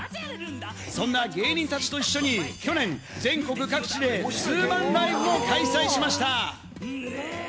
そんな芸人たちと一緒に去年、全国各地でツーマンライブを開催しました。